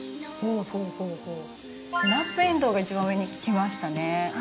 スナップえんどうがいちばん上にきましたね。